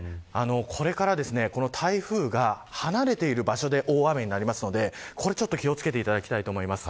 これから台風が離れている場所で大雨になりますので気を付けていただきたいです。